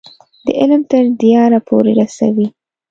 د علم تر دیاره پورې رسوي.